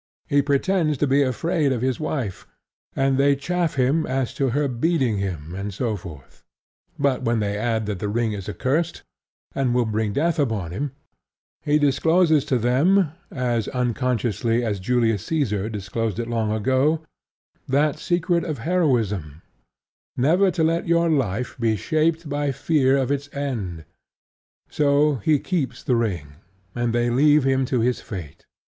He pretends to be afraid of his wife; and they chaff him as to her beating him and so forth; but when they add that the ring is accursed and will bring death upon him, he discloses to them, as unconsciously as Julius Caesar disclosed it long ago, that secret of heroism, never to let your life be shaped by fear of its end. [*] So he keeps the ring; and they leave him to his fate.